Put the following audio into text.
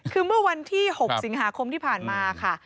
คือเมื่อวันที่๖สิงหาคมที่ผ่านมาค่ะ